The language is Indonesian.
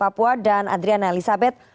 papua dan adriana elizabeth